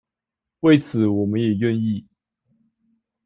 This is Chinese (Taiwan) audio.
為此我們也願意